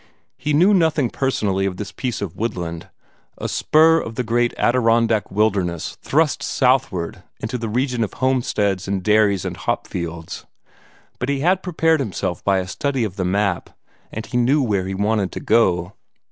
He knew nothing personally of this piece of woodland a spur of the great Adirondack wilderness thrust southward into the region of homesteads and dairies and hop fields but he had prepared himself by a study of the map, and he knew where he wanted to go.